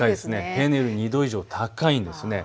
平年より２度以上高いんです。